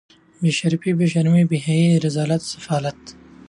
بې شرفي بې شرمي بې حیايي رذالت سفالت